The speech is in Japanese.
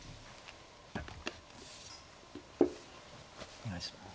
お願いします。